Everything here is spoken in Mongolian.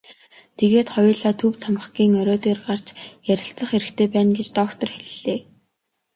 Тэгээд хоёулаа төв цамхгийн орой дээр гарч ярилцах хэрэгтэй байна гэж доктор хэллээ.